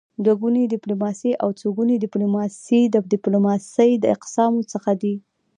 دوه ګوني ډيپلوماسي او څوګوني ډيپلوماسي د ډيپلوماسی د اقسامو څخه دي.